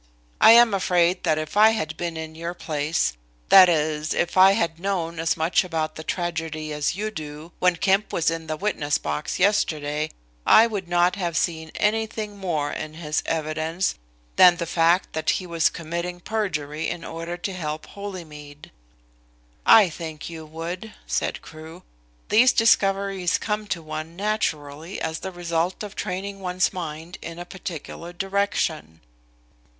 I am afraid that if I had been in your place that is if I had known as much about the tragedy as you do when Kemp was in the witness box yesterday, I would not have seen anything more in his evidence than the fact that he was committing perjury in order to help Holymead." "I think you would," said Crewe. "These discoveries come to one naturally as the result of training one's mind in a particular direction."